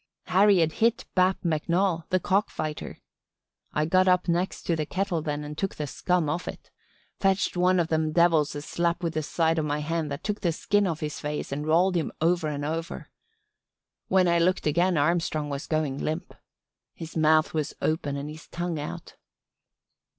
Harry had hit Bap McNoll the cock fighter. I got up next to the kettle then and took the scum off it. Fetched one of them devils a slap with the side of my hand that took the skin off his face and rolled him over and over. When I looked again Armstrong was going limp. His mouth was open and his tongue out.